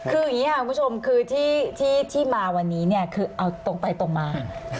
คืออย่างนี้ค่ะคุณผู้ชมคือที่มาวันนี้เนี่ยคือเอาตรงไปตรงมา